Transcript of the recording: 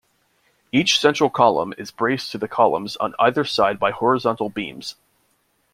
Each central column is braced to the columns on either side by horizontal beams.